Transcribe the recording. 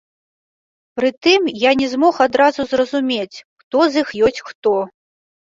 Пры тым, я не змог адразу зразумець, хто з іх ёсць хто.